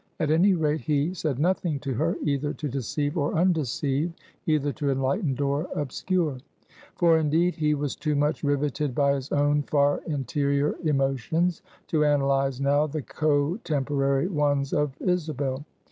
At any rate, he said nothing to her, either to deceive or undeceive, either to enlighten or obscure. For, indeed, he was too much riveted by his own far interior emotions to analyze now the cotemporary ones of Isabel.